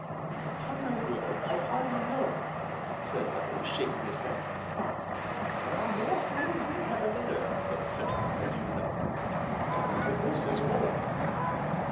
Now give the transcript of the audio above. "Upon my word, I hardly know," said Bellew, shaking his head, "but 'there are more things in heaven, and earth,' etc., you know, and this is one of them."